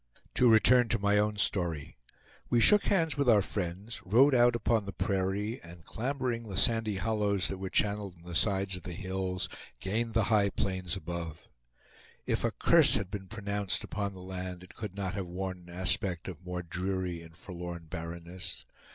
To return to my own story. We shook hands with our friends, rode out upon the prairie, and clambering the sandy hollows that were channeled in the sides of the hills gained the high plains above. If a curse had been pronounced upon the land it could not have worn an aspect of more dreary and forlorn barrenness.